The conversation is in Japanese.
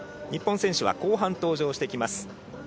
日本選手は後半に登場してきます。